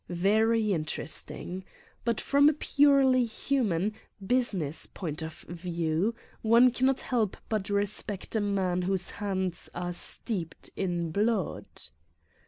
Very interesting. But from a purely human, busi ness point of view, one cannot help but respect a man whose hands are steeped in blood